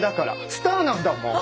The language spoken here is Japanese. スターなんだもん。